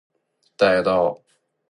待到山花烂漫时，她在丛中笑。